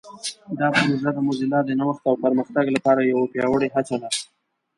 دا پروژه د موزیلا د نوښت او پرمختګ لپاره یوه پیاوړې هڅه ده.